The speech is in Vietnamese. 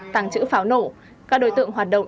tàng trữ pháo nổ các đối tượng hoạt động